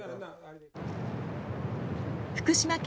福島県